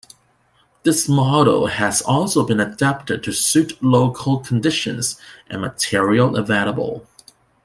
This model has also been adapted to suit local conditions and material available.